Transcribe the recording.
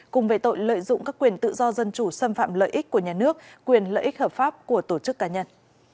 cùng về tội lợi dụng các quyền tự do dân chủ xâm phạm lợi ích của nhà nước quyền lợi ích hợp pháp của tổ chức cá nhân